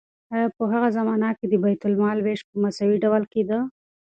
آیا په هغه زمانه کې د بیت المال ویش په مساوي ډول کیده؟